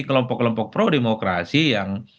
kelompok kelompok pro demokrasi yang